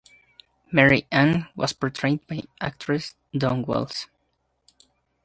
Mary Ann was portrayed by actress Dawn Wells.